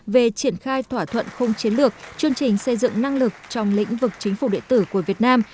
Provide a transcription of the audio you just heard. về triển khai thỏa thuận không chiến lược chương trình xây dựng năng lực trong lĩnh vực chính phủ địa tử của việt nam